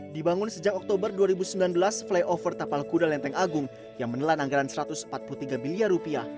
dibangun sejak oktober dua ribu sembilan belas flyover tapal kuda lenteng agung yang menelan anggaran satu ratus empat puluh tiga miliar rupiah